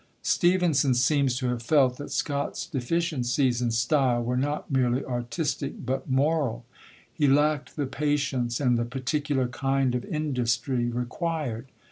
Stevenson seems to have felt that Scott's deficiencies in style were not merely artistic, but moral; he lacked the patience and the particular kind of industry required.